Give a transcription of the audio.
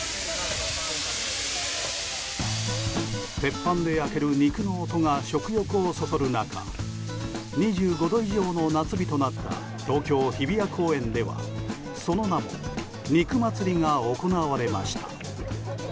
鉄板で焼ける肉の音が食欲をそそる中２５度以上の夏日となった東京・日比谷公園ではその名も肉祭が行われました。